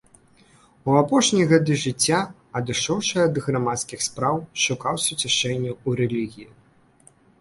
У апошнія гады жыцця адышоўшы ад грамадскіх спраў, шукаў суцяшэння ў рэлігіі.